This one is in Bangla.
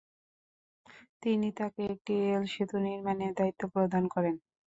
তিনি তাকে একটি রেলসেতু নির্মাণের দায়িত্ব প্রদান করেন।